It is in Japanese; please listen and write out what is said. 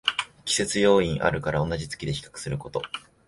季節要因あるから同じ月で比較すること